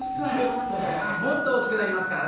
もっと大きくなりますからね。